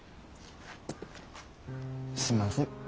すんません。